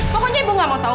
pokoknya ibu gak mau tahu